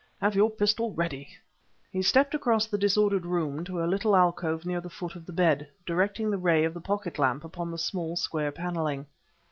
Have your pistol ready." He stepped across the disordered room to a little alcove near the foot of the bed, directing the ray of the pocket lamp upon the small, square paneling.